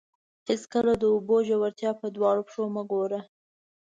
هېڅکله د اوبو ژورتیا په دواړو پښو مه ګوره.